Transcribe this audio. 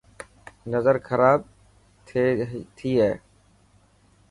نظر خراب شي هي.